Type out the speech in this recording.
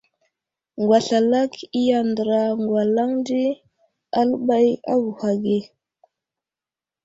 Ŋgwaslalak i andəra gwalaŋ di aləɓay avohw age.